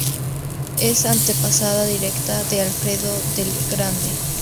Es antepasada directa de Alfredo el Grande.